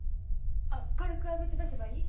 あっ軽くあぶって出せばいい？